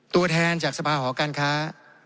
ตัวแทนจากสภาหอการค้า